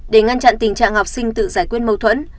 để ngăn chặn tình trạng học sinh tự giải quyết mâu thuẫn